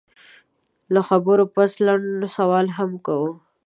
له خبرو پس لنډ سوالونه هم کوو